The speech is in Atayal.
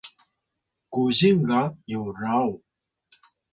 kuzing ga Yuraw